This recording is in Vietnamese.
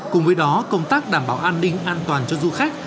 cùng với đó công tác đảm bảo an ninh an toàn cho du khách